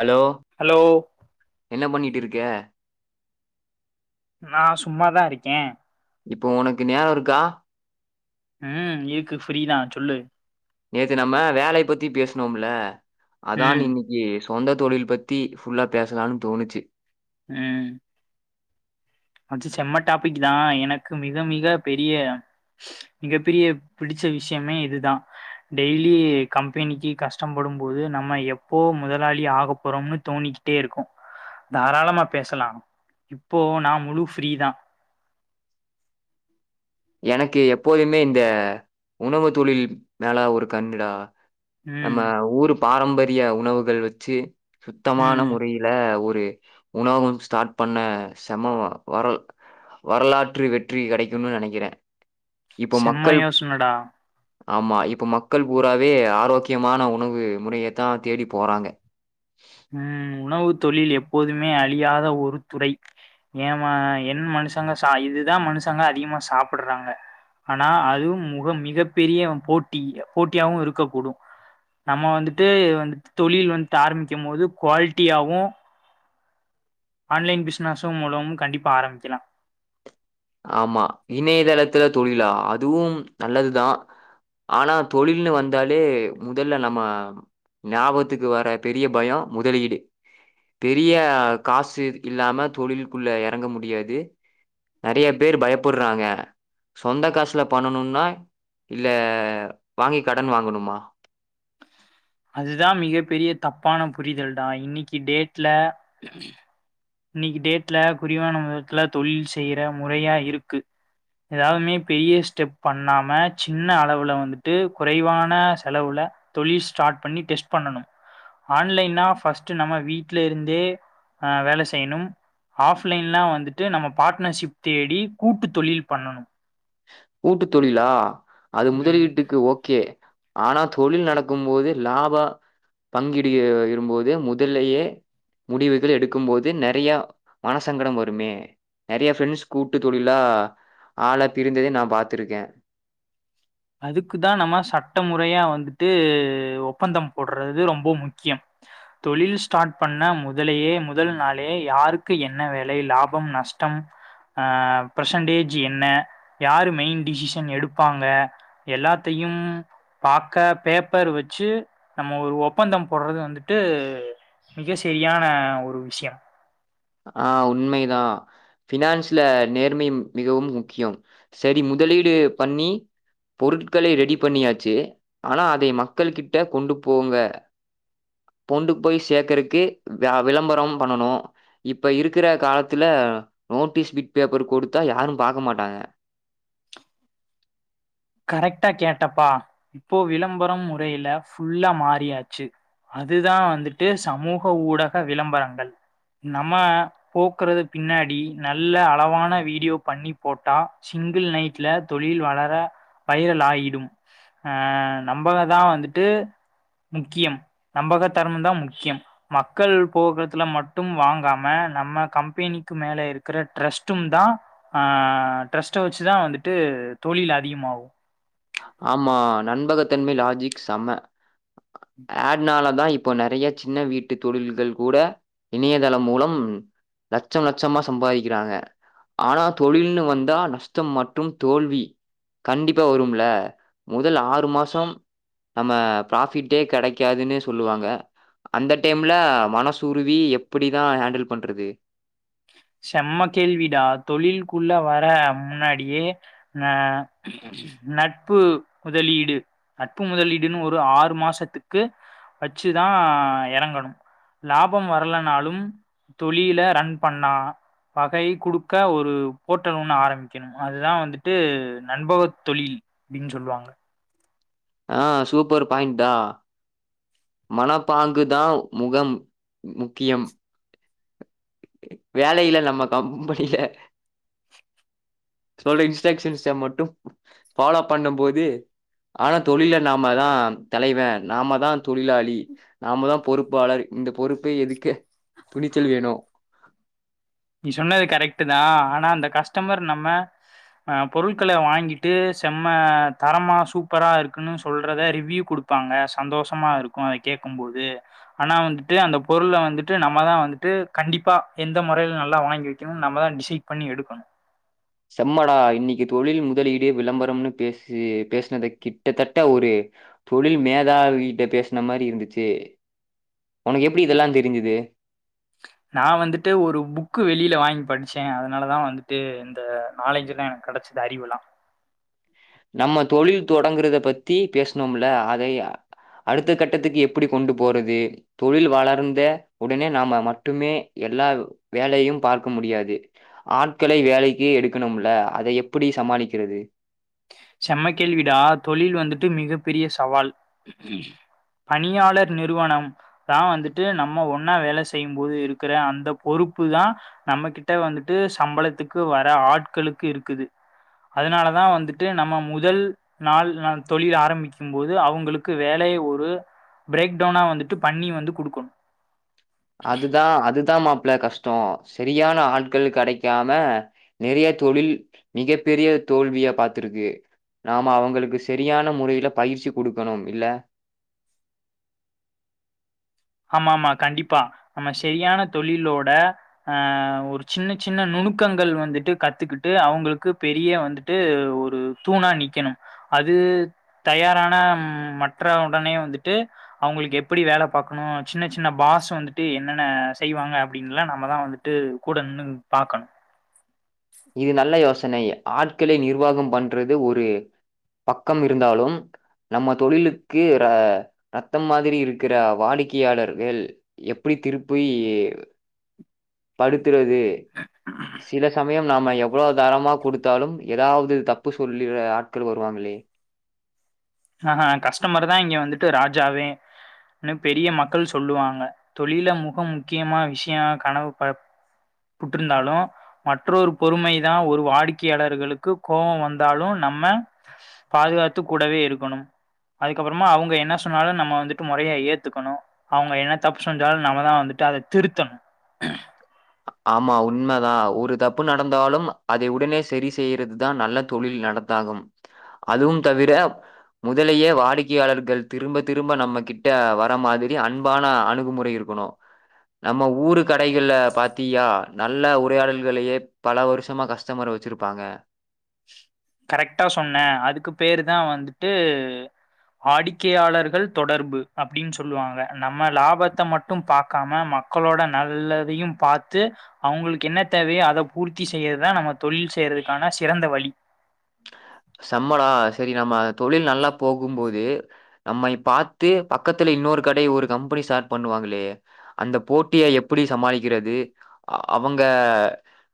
Hello hello என்ன பண்ணிட்டு இருக் க நான் சும்மாதான் இருக்கே இப்போ உனக்கு நேரம் இருக்கா ம் இருக்கு ஃப்ரீதான் சொல்லு நேத்து நம்ம வேலை பத்தி பேஸ்னோம்ல அதான் ம் இன்னிக்கி சொந்த தொழில் பத்தி ஃபுல்லா பேசலானு தோணுச்சு உம் மச்சி செம்ம டாப்பிக் தான் எனக்கு மிக மிக பெரிய மிகப்பெரிய பிடிச்ச விஷயமே இதுதான் டெய்லி கம்பெனிக்கு கஷ்டப்படும்போது நம்ம எப்போ முதலாளி ஆக போறோம்னு தோணிக்கிட்டே இருக்கும் தாராளமா பேசலாம் இப்போ நாம் முழு ஃப்ரீதான் எனக்கு எப்போதுமே இந்த உணவு தொழில் மேல ஒரு கண்ணுடா நம்ம ம் ஊரு பாரம்பரிய உணவுகள் வச்சு சுத்தமான ம் முறையில ஒரு ரு உணவகம் ஸ்டார்ட் பண்ண செம்ம வரல் வரலாற்று வெற்றி கெடைக்கும்னு நெனைக்கிறேன் செம்ம யோசனடா ஆமா இப்ப மக்கள் பூராவே ஆரோக்கியமான உணவு முறையத்தா தேடிப் போறாங்க உம் உணவு தொழில் எப்போதுமே அழியாத ஒரு துறை எ மா என் மனுஷங்க ச இதுதா மனுஷங்க அதிகமா சாப்புர்றாங்க ஆனா அதுவும் முக மிகப் பெரிய போட்டி போட்டியாவு இருக்கக் கூடு நம்ம வந்துட்டு வந்து தொழில் வந்த்ட்டு ஆரம் பிக்கம் போது குவாலிட்டியாவு ஆன்லைன் பிஸ்னசும் மூலமு கண்டிப்பா ஆரம்பிக்கலா ஆமா இணையதளத்துல தொழிலா அதுவும் நல்லதுதா ஆனா தொழில்னு வந்தாலே முதல்ல நம்ம ஞாபகத்துக்கு வர பெரிய பயொ முதலீடு பெரிய காசு இல்லாம தொழில்குள்ள எறங்க முடியாது நறைய பேர் பயப்புர்றாங்க சொந்த காசுல பண்ணணுன்னா இல்ல வாங்கி கடன் வாங்கணுமா அதுதா மிகப் பெரிய தப்பான புரிதல்டா இன்னக்கி டேட்ல இன்னக்கி டேட்ல குறிவான முதத்ல தொழில் செய்ற முறையா இருக்கு எதாமே பெரிய ஸ்டெப் பண்ணாம சின்ன அளவுல வந்துட்டு குறைவான செலவுல தொழில் ஸ்டார்ட் பண்ணி டெஸ்ட் பண்ணணும் ஆன்லைன்னா ஃபஸ்ட்டு நம்ம வீட்லேருந்தே ஆ வேல செ செய்ணும் ஆஃப்லைன்லா வந்துட்டு நம்ம பாட்னர்ஷிப் தேடி கூட்டு தொழில் பண்ணனு கூட்டு தொழிலா அது ம். முதலீட்டுக்கு ஓகே ஆனா தொழில் நடக்கும் போது லாப பங்கிடு இ இரும்போது முதல்லையே முடிவுகள் எடுக்கும் போது நெறைய மன சங்கடம் வருமே நெறைய ஃப்ரெண்ட்ஸ் கூட்டு தொழிலா ஆள பிரிந்ததே நா பாத்துருக்கே அதுக்குதா நம்ம சட்ட முறையா வந்துட்டு ஒப்பந்தம் போட்றது ரொம்ப முக்கியம் தொழில் ஸ்டார்ட் பண்ண முதலையே முதல் நாள்ளே யாருக்கு என்ன வேலை லாபம் நஷ்டம் ஆ ப்ரசன்டேஜு என்ன யாரு மெயின் டிசிஷன் எடுப்பாங்க எல்லாத்தையும் பாக்க பேப்பர் வச்சு நம்ம ஒரு ஒப்பந்தம் போர்றது வந்துட்டு மிக செரியான ஒரு விஷயொ ஆ உண்மைதா ஃபினான்ஸ்ல நேர்மை மிகவும் முக்யொம் சேரி முதலீடு பண்ணி பொருட்களை ரெடி பண்ணியாச்சி ஆனா அதை மக்கள் கிட்ட கொண்டு போங்க கொண்டு போய் சேக்கறக்கு வ்யா விளம்பரம் பண்ணனு இப்ப இருக்குற காலத்துல நோட்டீஸ் பிட் பேப்பர் குடுத்தா யாரு பாக்க மாட்டாங்க கரெக்ட்டா கேட்டப்பா இப்போ விளம்பரம் முறையில ஃபுல்லா மாறியாச்சு அதுதா வந்துட்டு சமூக ஊடக விளம்பரங்கள் நம்ம போக்குறது பின்னாடி நல்ல அளவான வீடியோ பண்ணி போட்டா சிங்குள் நைட்ல தொழில் வளர வைரல் ஆயிடும் ஆ நம்பகொதா வந்துட்டு முக்கியம் நம்பக தரம்தா முக்கியம் மக்கள் போக்கத்துல மட்டும் வாங்காம நம்ம கம்பெனிக்கு மேல இருக்குற ட்ரஸ்ட்டும்தா ஆ ட்ரஸ்ட்ட வச்சுதா வந்துட்டு தொழில் அதியமாவு ஆமா நண்பகத்தன்மை லாஜிக் செம்ம ஆட்னாலதா இப்போ நெறைய சின்ன வீட்டு தொழில்கள் கூட இணையதளம் மூலம் லட்சம் லட்சமா சம்பாதிக்கிறாங்க ஆனா தொழில்னு வந்தா நஷ்டம் மற்றும் தோல்வி கண்டிப்பா வரும்ல முதல் ஆறு மாசம் நம்ம ஃபராஃபிட்டே கெடைக்காதுன்னு சொல்லுவாங்க அந்த டைம்ல மனசுருவி எப்புடிதா ஹேண்டில் பண்றது செம்ம கேள்வி டா தொழில்க்குள்ள வர முன்னாடியே ந நட்பு முதலீடு நட்பு முதலீடுன்னு ஒரு ஆறு மாசத்துக்கு வச்சுதா எறங்கணு லாபம் வரலனாலும் தொழில ரன் பண்ணா வகை குடுக்க ஒரு போர்டல் ஒண்ணு ஆரம்பிக்கணும் அதுதா வந்துட்டு நண்பக தொழில் அப்டின் சொல்லுவாங்க ஆ சூப்பர் பாயிண்டா மனப்பாங்கு தா முகம் முக்கியம் வேலையில நம்ம கம்பெனில சொல்ற இன்ஸ்ட்ரக்ஷன்ஸ மட்டும் ஃபாலோ பண்ணும்போது ஆனா தொழில நாமதா தலைவ நாமதா தொழிலாளி நாமதா பொறுப்பாளர் இந்த பொறுப்பே எதுக்கு துணிச்சல் வேணு நீ சொன்னது கரெக்ட்டு தா ஆனா அந்த கஸ்டமர் நம்ம அ பொருட்கள வாங்கிட்டு செம்ம தரமா சூப்பரா இருக்குன்னு சொல்றத ரிவ்யூ குடுப்பாங்க சந்தோஷமா இருக்கு அ கேக்கும்போது அனா வந்துட்டு அந்த பொருள வந்துட்டு நம்மதா வந்துட்டு கண்டிப்பா எந்த மொறைல ந ல்லா வாங்கி வெக்கணுன் நம்ம தா டிசைட் பண்ணி எடுக்கணு செம்மடா இன்னக்கி தொழில் முதலீடு விளம்பரம்னு பேசி பேசுனது கிட்டத்தட்ட ஒரு தொழில் மேதாவீட்ட பேஸ்ன மாரி இருந்துச்சு ஒனக்கு எப்டி இதெல்லா தெரிஞ்சிது நா வந்துட்டு ஒரு புக்கு வெளியில வாங்கி படிச்சே அதனாலதா வந்துட்டு இந்த நாலேஜ்லா எனக் கெடச்சிது அறிவுல்லா நம்ம தொழில் தொடங்குறத பத்தி பேசுனோம்ல அத அடுத்த கட்டத்துக்கு எப்டி கொண்டு போறது தொழில் வளர்ந்தே உடனே நாம மட்டுமே எல்லா வேலையும் பார்க்க முடியாது ஆட்களை வேலைக்கி எடுக்கணும்ல அத எப்புடி சமாளிக்கிறது செம்ம கேள்விடா தொழில் வந்துட்டு மிகப்பெரிய சவால் பணியாளர் நிறுவனம் தா வந்துட்டு நம்ம ஒன்னா வேல செய்யும் போது இருக்குற அந்த பொறுப்பு தா நம்ம கிட்ட வந்துட்டு சம்பளத்துக்கு வர ஆட்களுக்கு இருக்குது அதுனாலதா வந்துட் டு நம்ம முதல் நாள் ந தொழில் ஆரம்பிக்கிம் போது அவுங்களுக்கு வேலை ஒரு ப்ரேக்டவுனா வந்துட்டு பண்ணி வந்து குடுக்கொணு அதுதா அதுதா மாப் ள கஸ்டோ செரியான ஆட்கள் கெடைக்காம நிறைய தொழில் மிகப் பெரிய தோல்விய பாத்துருக்கு நாம அவங்களுக்கு செரியான முறையில பயிற்சி குடுக்கணும் இல்ல ஆமா ஆமா கண்டிப்பா நம்ம செரியான தொழிலோட ஆ ஒரு சின்னச் சின்ன நுணுக்கங்கள் வந்துட்டு கத்துக்கிட்டு அவுங்களுக்கு பெரிய வந்துட்டு ஒரு தூணா நிக்கெணும் அது தயாரான மற்ற உடனே வந்துட்டு அவுங்களுக்கு எப்டி வேல பாக் கணு சின்னச் சின்ன பாஸ் வந்துட்டு என்னென்ன செய்வாங்க அப்டின்லா நம்மதா வந்துட்டு கூட நின்னு பாக்கணு இது நல்ல யோசனை ஆட்களை நிர்வாகம் பண்றது ஒரு பக்கம் இருந்தாலும் நம்ம தொழிலுக்கு ர ரத்தம் மாதிரி இருக்குற வாடிக்கையாளர்கள் எப்டி திருப்பி படுத்துறது சில ச மயம் நாம எவ்ளோ தரமா குடுத்தாலும் எதாவது தப்பு சொல்லி ஆட்கள் வருவாங்களே அ ஹ கஸ்டமர் தா இங்க வந்துட்டு ராஜாவே னு பெரிய மக்கள் சொல்லுவாங்க தொழில்ல முக முக்கியமா விஷயோ கனவு ப புட்ருந்தாலு மற்றொரு பொறுமைதா ஒரு வாடிக்கையாளர்களுக்கு கோவொ வந்தாலு நம்ம பாதுகாத்து கூடவே இருக்கணு அதுக்கப்பறமா அவுங்க என்ன சொன்னாலு நம்ம வந்துட்டு மொறையா ஏத்துக்கணு அவுங்க என்ன தப்பு செஞ்சாலு நம்மதா வந்துட்டு அத திருத்தணு ஆமா உண்மதா ஒரு தப்பு நடந்தாலும் அதை உடனே செரி செய்றது தா நல்ல தொழில் நடத்தாகும் அதுவும் தவிர முதலயே வாடிக்கையாளர்கள் திரும்ப திரும்ப நம்ம கிட்ட வர மாதிரி அன்பான அணுகுமுறை இருக்கணு நம்ம ஊரு கடைகள்ல பாத் த்தியா நல்ல உரையாடல்களையே பல வருஷமா கஸ்டமர் வச்சிருப்பாங்க கரெக்ட்டா சொன்ன அதுக்கு பேரு தா வந்துட்டு வாடிக்கையாளர்கள் தொடர்பு அப்டின் சொல்லுவாங்க நம்ம லாபத்த மட்டும் பாக்காம மக்களோட நல்லதையு பாத்து அவுங்களுக்கு என்ன தேவையோ அத பூர்த்தி செய்யறதா நம்ம தொழில் செய்றதுக்கான சிறந்த வழி செம்மடா செரி நம்ம தொழில் நல்லா போகும்போது நம்மை பாத்து பக்கத்துல இன்னொரு கடை ஒரு கம்பெனி ஸாட் பண்ணுவாங்களே அந்த போட்டிய எப்பிடி சமாளிக்கிறது அ அவுங்க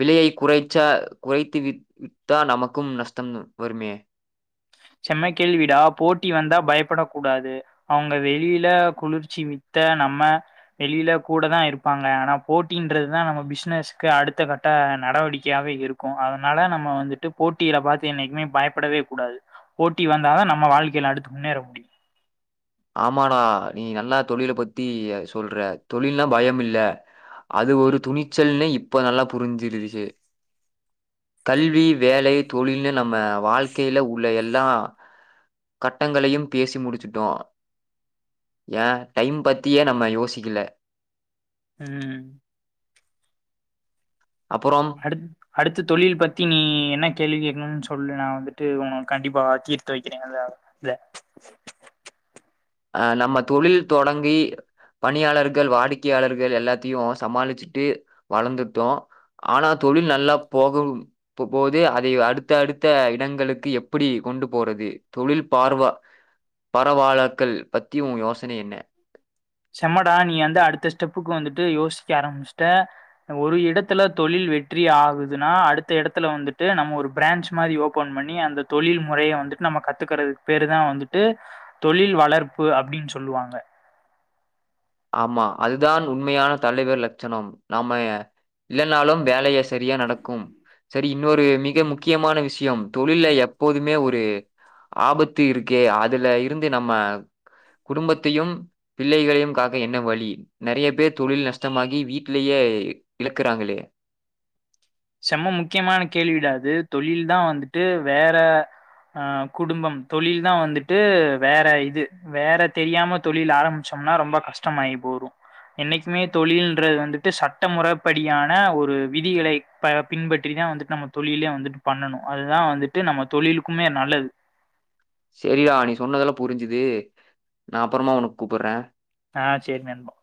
விலையை குறைச்சா குறைத்து வித் வித்தா நமக்கும் நஷ்டம் வருமே செம்ம கேள்விடா போட்டி வந்தா பயப்பட கூடாது அவுங்க வெளியில குளிர்ச்சி வித்த நம்ம வெளியில கூட தா இருப்பாங்க ஆனா போட்டின்றதுதா நம்ம பிஸ்னஸ்க்கு அடுத்த கட்ட நடவடிக்கையாவே இருக்கு அதனால நம்ம வந்துட்டு போட்டிகள பாத்து என்னைக்குமே பயப்படவே கூடாது போட்டி வந்தாதா நம்ம வாழ்க்கையில அடுத்து முன்னேற முடியு ஆமாடா நீ நல்லா தொழில பத்தி சொல்ற தொழில்னா பயம் இல்ல அது ஒரு துணிச்சல்னு இப்ப நல்லா புரிஞ்சிருச்சி கல்வி வேலை தொழில்னு நம்ம வாழ்க்கையில உள்ள எல்லா கட்டங்களையும் பேசி முடிச்சுட்டோ ஏ டைம் பத்தியே நம்ம யோசிக்கில உம் அப்புறம் அடுத் அடுத்த தொழில் பத்தி நீ என்ன கேள்வி கேக்கணுன் ஸ் சொல்லு நா வந்துட்டு உனு கண்டிப்பா தீர்த்து வெக்கிறே அத இத அஹ் நம்ம தொழில் தொடங்கி பணியாளர்கள் வாடிக்கையாளர்கள் எல்லாத்தியு சமாளிச்சுட்டு வளந்துட்டோ ஆனா தொழில் நல்லா போகம் ப போது அதை அடுத்த அடுத்த இடங்களுக்கு எப்பிடி கொண்டு போறது தொழில் பார்வா பரவால க்கல் செம்மடா நீ அந்து அடுத்த ஸ்டெப் ப்புக்கு வந்துட்டு யோசிக்க ஆரம்மிச்ட்ட ஒரு இடத்துல தொழில் வெற்றி ஆகுதுனா அடுத்த எடத்துல வந்துட்டு நம்ம ஒரு பிரேன்ச் மாரி ஓப்பன் பண்ணி அந்த தொழில் முறைய வந்துட் நம்ம கத்துக்கறதுக் பேரு தா வந்துட்டு தொழில் வளர் பு அப்டின் சொல்லுவாங்க ஆம்மா அதுதான் உண்மையான தலைவர் லக்ஷணம் நாம்ம இல்லன்னாலும் வேலைய செரியா நடக்கும் செரி இன்னொரு மிக முக்கியமான விஷ்யம் தொழில்ல எப்போதுமே ஒரு ஆபத்து இருக்கு அதுல இருந்து நம்ம குடும்பத்தையும் பிள்ளைகளையும் கா க்க என்ன வழி நெறைய பேர் தொழில் நஷ்டமாகி வீட்லயே இழக்குறாங்களே செம்ம முக்கியமான கேள்விடா அது தொழில்தா வந்துட்டு வேற அ குடும்பம் தொழில் தா வந்துட்டு வேற இது வேற தெரியாம தொழில் ஆரம்பிச்சம்னா ரொம்ப கஷ்டமாயி போரு என்னைக்குமே தொழில்ன்றது வந்துட்டு சட்ட முறப்படியான ஒரு விதிகளை ப பின்பற்றிதா வந்துட் நம்ம தொழிலெ வந்துட்டு பண்ணணு அதுதா வந்துட்டு நம்ம தொழிலுக்குமே நல்லது செரிடா நீ சொன்னதெல்லா புரிஞ்சிது நா அப்பறமா உனுக் கூப்பறே ஆஹ் செரி நண்பா